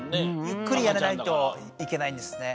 ゆっくりやらないといけないんですね。